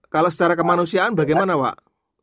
kalau secara kemanusiaan bagaimana pak